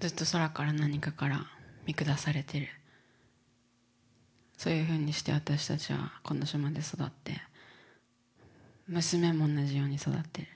ずっと空から何かから見下されてるそういうふうにして私たちはこの島で育って娘も同じように育って。